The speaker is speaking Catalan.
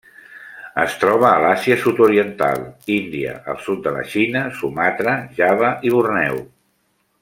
Es troba a l'Àsia Sud-oriental, Índia, el sud de la Xina, Sumatra, Java i Borneo.